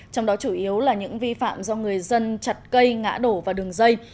trong đó chủ yếu là những vi phạm do người dân chặt cây ngã đổ vào đường dây